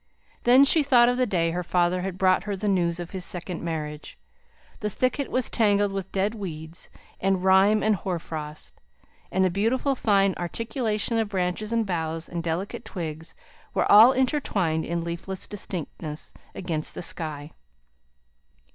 Then she thought of the day her father had brought her the news of his second marriage: the thicket was tangled with dead weeds and rime and hoar frost; and the beautiful fine articulations of branches and boughs and delicate twigs were all intertwined in leafless distinctness against the sky.